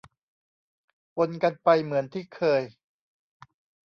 ปนกันไปเหมือนที่เคย